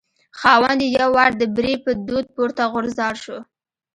خاوند یې یو وار د بري په دود پورته غورځار شو.